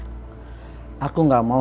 aku gak yakin dengan hubungan kita